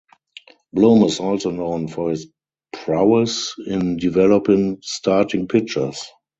Bloom is also known for his prowess in developing starting pitchers.